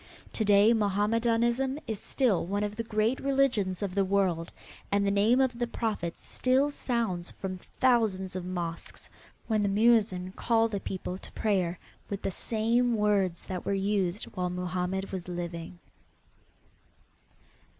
To day Mohammedanism is still one of the great religions of the world, and the name of the Prophet still sounds from thousands of mosques, when the muezin calls the people to prayer with the same words that were used while Mohammed was living.